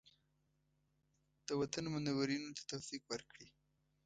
د وطن منورینو ته توفیق ورکړي.